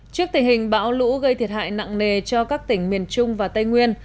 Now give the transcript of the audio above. trước tình hình bão lũ gây thiệt hại nặng nề cho các tỉnh miền trung và tây nguyên